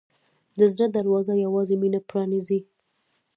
د زړه دروازه یوازې مینه پرانیزي.